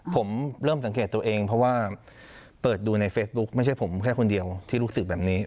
ผมเริ่มสังเกตตัวเองเพราะว่าเปิดดูในเฟซบุ๊คไม่ใช่ผมแค่คนเดียวที่รู้สึกแบบนี้